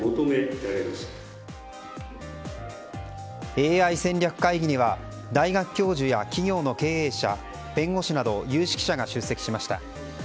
ＡＩ戦略会議には大学教授や企業の経営者弁護士など有識者が出席しました。